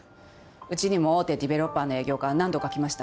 うちにも大手デベロッパーの営業が何度か来ました。